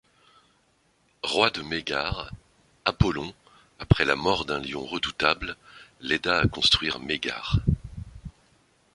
Roi de Mégare, Apollon, après la mort d'un lion redoutable, l'aida à construire Mégare.